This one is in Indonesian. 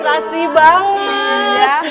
terima kasih banget